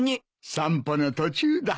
散歩の途中だ。